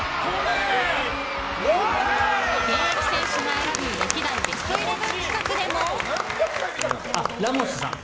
現役選手が選ぶ歴代ベストイレブン企画でも。